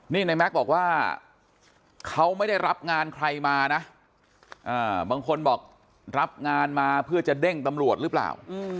นี่ในแม็กซ์บอกว่าเขาไม่ได้รับงานใครมานะบางคนบอกรับงานมาเพื่อจะเด้งตำรวจหรือเปล่า